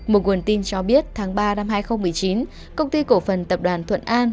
một nguồn tin cho biết tháng ba năm hai nghìn một mươi chín công ty cổ phần tập đoàn thuận an